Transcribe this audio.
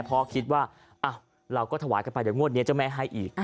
เพราะคิดว่าเราก็ถวายกันไปเดี๋ยวงวดนี้เจ้าแม่ให้อีก